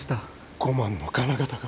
５万の金型が。